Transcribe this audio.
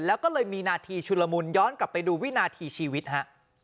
แล้วก็เลยมีนาทีชุนละมุนย้อนกลับไปดูวินาทีชีวิตฮะ